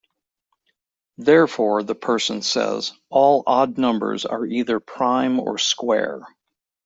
Therefore, the person says, all odd numbers are either prime or square.